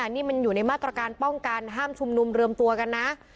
นี่มันอยู่ในมาตรการป้องกันห้ามชุมนุมรวมตัวกันนะ